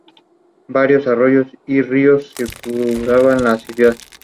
Varios arroyos y ríos circundan la ciudad.